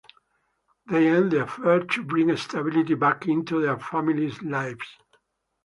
They end the affair to bring stability back into their families' lives.